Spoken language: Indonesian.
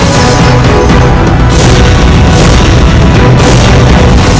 dan mintalah balaban tua